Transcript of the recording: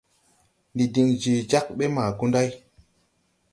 Ndi din je jagbe ma Gunday.